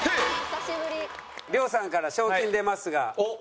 亮さんから賞金出ますがいかほど？